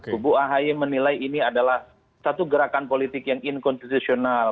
kubu ahy menilai ini adalah satu gerakan politik yang inkonstitusional